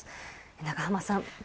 長濱さん。